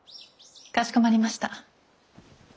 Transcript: かしこまりました。